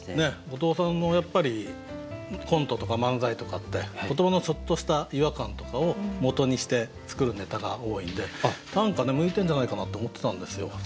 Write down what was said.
後藤さんもやっぱりコントとか漫才とかって言葉のちょっとした違和感とかをもとにして作るネタが多いんで短歌ね向いてんじゃないかなって思ってたんですよ。